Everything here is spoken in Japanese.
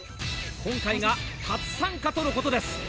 今回が初参加とのことです。